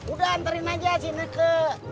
udah anterin aja si i neng kak